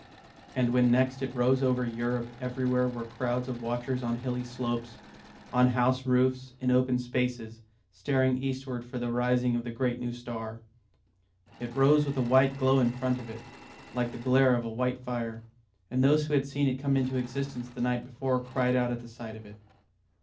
And when next it rose over Europe everywhere were crowds of watchers on hilly slopes, on house roofs, in open spaces, staring eastward for the rising of the great new star. It rose with a white glow in front of it, like the glare of a white fire, and those who had seen it come into existence the night before cried out at the sight of it.